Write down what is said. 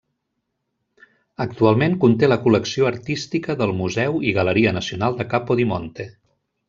Actualment conté la col·lecció artística del Museu i Galeria Nacional de Capodimonte.